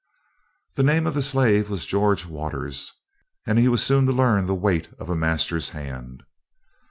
The name of the slave was George Waters, and he was soon to learn the weight of a master's hand.